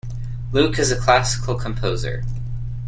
Luke is a classical composer.